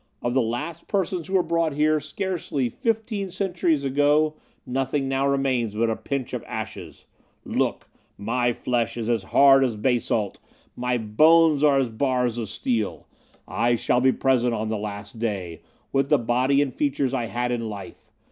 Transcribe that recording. Of the last persons who were brought here, scarcely fifteen centuries ago, nothing now remains but a pinch of ashes. Look! my flesh is as hard as basalt, my bones are bars of steel. I shall be present on the last day, with the body and features I had in life.